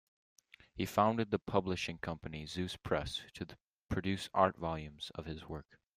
He founded the publishing company Zeus Press to produce art volumes of his work.